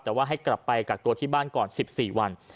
แต่ว่าให้กลับไปกักตัวที่บ้านก่อน๑๔วัน